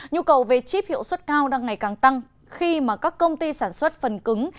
nhu cầu về chip hiệu suất cao đang ngày càng tăng khi mà các công ty sản xuất phần cứng